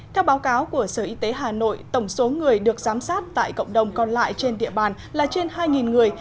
theo báo cáo của sở y tế hà nội tổng số người được giám sát tại cộng đồng còn lại trên địa bàn là trên hai người